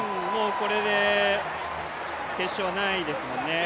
これで決勝はないですもんね。